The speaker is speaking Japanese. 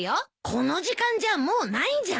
この時間じゃもうないんじゃない？